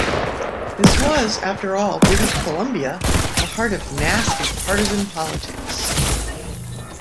This was, after all, British Columbia, the heart of nasty, partisan politics.